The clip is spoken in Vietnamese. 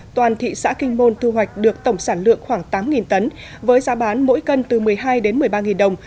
toàn thị xã kinh môn thu hoạch được tổng sản lượng khoảng tám tấn với giá bán mỗi cân từ một mươi hai đến một mươi ba đồng